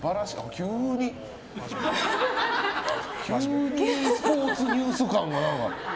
急にスポーツニュース感が。